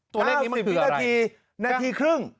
ตัวเลขนี้มันคืออะไรเก้าสิบวินาทีนาทีครึ่ง